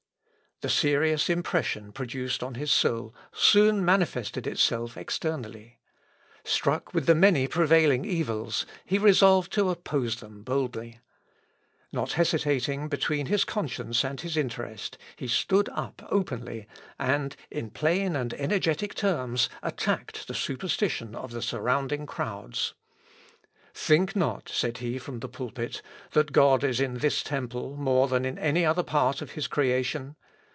The serious impression produced on his soul soon manifested itself externally. Struck with the many prevailing evils, he resolved to oppose them boldly. Not hesitating between his conscience and his interest, he stood up openly, and, in plain and energetic terms, attacked the superstition of the surrounding crowds: "Think not," said he from the pulpit, "that God is in this temple more than in any other part of his creation.